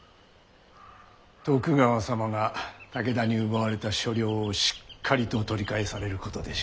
徳川様が武田に奪われた所領をしっかりと取り返されることでしょう。